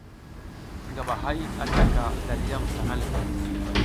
Ngaba hay a zlaka dalyam tang le.